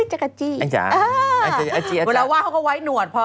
เวลาว่างเขาก็ไว้หนวดพอ